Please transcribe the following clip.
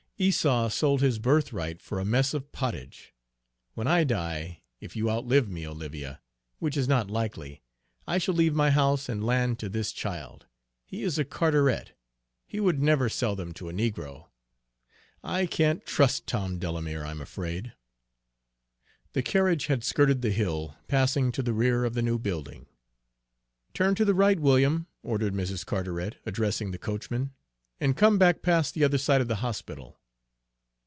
"Esau sold his birthright for a mess of pottage. When I die, if you outlive me, Olivia, which is not likely, I shall leave my house and land to this child! He is a Carteret, he would never sell them to a negro. I can't trust Tom Delamere, I'm afraid." The carriage had skirted the hill, passing to the rear of the new building. "Turn to the right, William," ordered Mrs. Carteret, addressing the coachman, "and come back past the other side of the hospital."